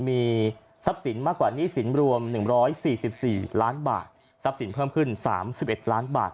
มีทรัพย์สินมากกว่าหนี้สินรวม๑๔๔ล้านบาททรัพย์สินเพิ่มขึ้น๓๑ล้านบาท